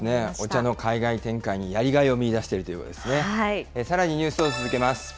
お茶の海外展開にやりがいを見いだしているというようですね。